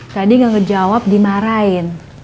tadi ngejawab dimarahin